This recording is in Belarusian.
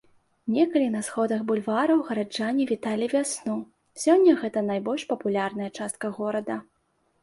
Некалі на сходах бульвараў гараджане віталі вясну, сёння гэта найбольш папулярная частка горада.